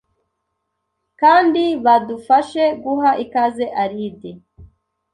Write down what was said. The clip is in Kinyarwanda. kandi badufashe guha ikaze Alide